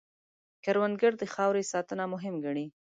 کروندګر د خاورې ساتنه مهم ګڼي